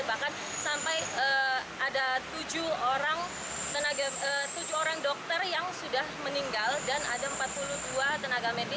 bahkan sampai ada tujuh orang dokter yang sudah meninggal dan ada empat puluh dua tenaga medis